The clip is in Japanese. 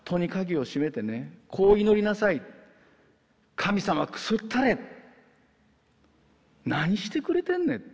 神様くそったれ何してくれてんねん